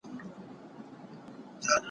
یوه ورځ به زه هم تنګ یمه له پلاره